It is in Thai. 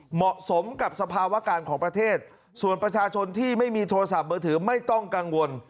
เหมาะสมกับสภาวะการของประเทศส่วนประชาชนที่ไม่มีโทรศัพท์มือถือไม่ต้องกังวล